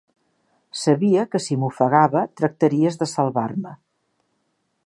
Sabia que si m'ofegava tractaries de salvar-me.